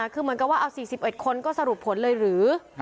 คือเหมือนกับว่าเอา๔๑คนก็สรุปผลเลยหรือ